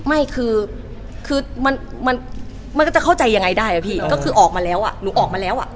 ไม่คือคือมันมันก็จะเข้าใจยังไงได้อะพี่ก็คือออกมาแล้วอ่ะหนูออกมาแล้วอ่ะ